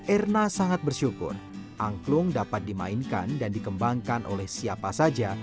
erna sangat bersyukur angklung dapat dimainkan dan dikembangkan oleh siapa saja